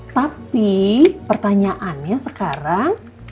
tapi pertanyaannya sekarang